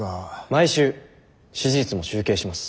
毎週支持率も集計します。